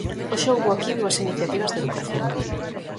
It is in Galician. Hoxe houbo aquí dúas iniciativas de educación.